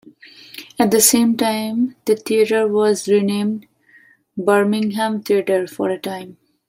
At the same time, the theatre was renamed 'Birmingham Theatre' for a time.